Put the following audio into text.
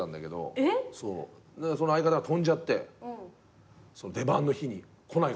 その相方が飛んじゃって出番の日に。